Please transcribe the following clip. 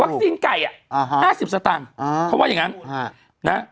วัคซีนไก่อ่ะอ่าฮะห้าสิบสตางค์อ่าเขาว่าอย่างงั้นฮะนะ